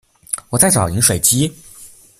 我在找饮水机